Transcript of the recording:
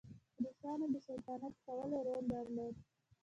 روسانو د شیطانت کولو رول درلود.